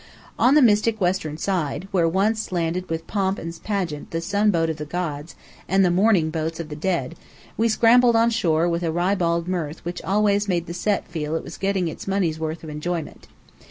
On the mystic western side, where once landed with pomp and pageant the sun boat of the gods, and the mourning boats of the dead, we scrambled on shore with that ribald mirth which always made the Set feel it was getting its money's worth of enjoyment.